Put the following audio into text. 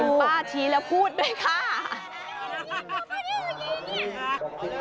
คุณป้าชี้แล้วพูดด้วยค่ะ